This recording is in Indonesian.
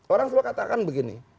orang selalu katakan begini